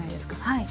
はい。